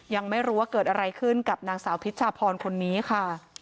ยังไม่รู้ว่าเกิดอะไรขึ้นกับนางสาวพิชชาพรคนนี้ค่ะ